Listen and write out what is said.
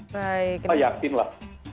saya yakin lah